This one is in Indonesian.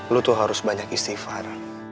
lu tuh harus banyak istighfar